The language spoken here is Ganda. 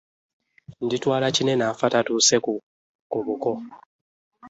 Nditwala kinene, afa tatuuse ku buko.